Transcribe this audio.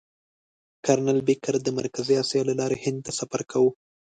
کرنل بېکر د مرکزي اسیا له لارې هند ته سفر کاوه.